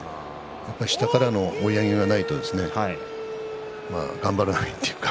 やっぱり下からの追い上げがないと頑張らないというか。